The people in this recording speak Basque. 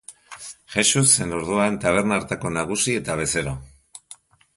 Jexux zen orduan taberna hartako nagusi eta bezero.